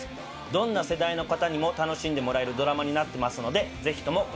どんな世代の方にも楽しんでもらえるドラマになってますのでぜひともご覧ください。